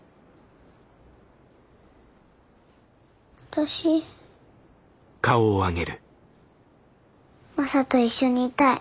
私マサと一緒にいたい。